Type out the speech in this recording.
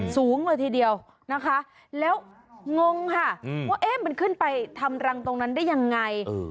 สูงเลยทีเดียวนะคะแล้วงงค่ะว่าเอ๊ะมันขึ้นไปทำรังตรงนั้นได้ยังไง